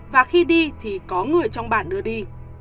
và khi đi thì có người trong bản đưa đi